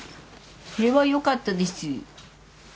それはよかったです。